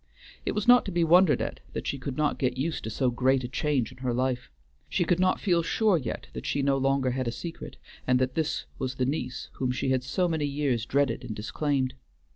It was not to be wondered at that she could not get used to so great a change in her life. She could not feel sure yet that she no longer had a secret, and that this was the niece whom she had so many years dreaded and disclaimed.